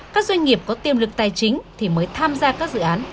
các doanh nghiệp có tiềm lực tài chính thì mới tham gia các dự án